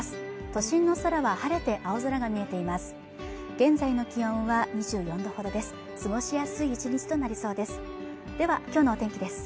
都心の空は晴れて青空が見えています